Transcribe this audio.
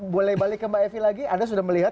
boleh balik ke mbak evi lagi anda sudah melihat